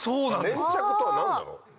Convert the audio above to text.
粘着とは何なの？